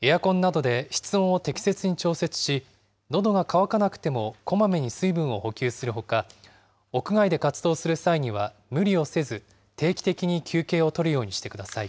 エアコンなどで室温を適切に調節し、のどが渇かなくてもこまめに水分を補給するほか、屋外で活動する際には無理をせず、定期的に休憩をとるようにしてください。